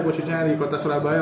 khususnya di kota surabaya